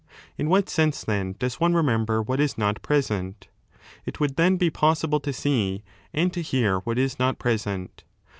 In what sense then does one remember what is not present ? It would then be possible to see and to hear what is not present.